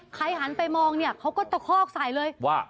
หันไปมองเนี่ยเขาก็ตะคอกใส่เลยว่า